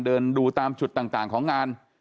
เดินดูตามจุดต่างของงาน